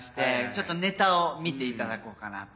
ちょっとネタを見ていただこうかなと。